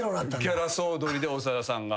ギャラ総取りで長田さんが。